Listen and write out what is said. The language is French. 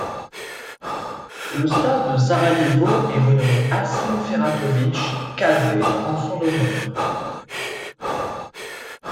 Le stade de Sarajevo est renommé Asim Ferhatović Hase en son honneur.